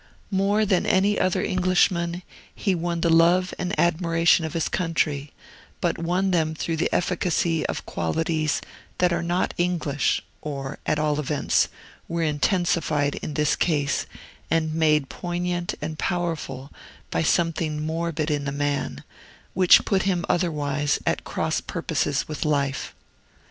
More than any other Englishman he won the love and admiration of his country, but won them through the efficacy of qualities that are not English, or, at all events, were intensified in his case and made poignant and powerful by something morbid in the man, which put him otherwise at cross purposes with life.